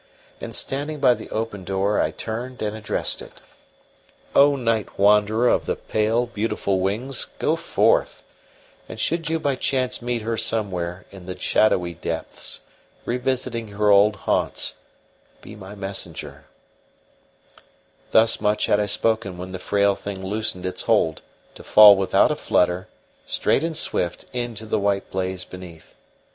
And standing by the open door I turned and addressed it: "O night wanderer of the pale, beautiful wings, go forth, and should you by chance meet her somewhere in the shadowy depths, revisiting her old haunts, be my messenger " Thus much had I spoken when the frail thing loosened its hold to fall without a flutter, straight and swift, into the white blaze beneath.